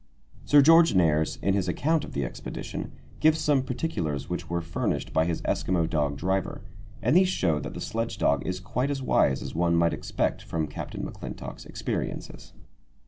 Sir George Nares, in his account of the expedition, gives some particulars which were furnished by his Eskimo dog driver, and these show that the sledge dog is quite as wise as one might expect from Captain McClintock's experiences.